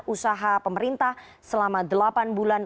usaha pemerintah selama delapan bulan